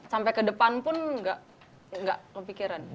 sampai ke depan pun nggak kepikiran